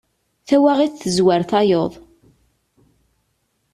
Tawaɣit tezwar tayeḍ.